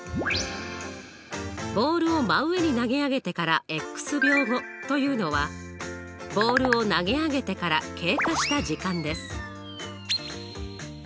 ボールを真上に投げ上げてから秒後というのはボールを投げ上げてから経過した時間です。